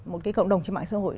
một cái cộng đồng trên mạng xã hội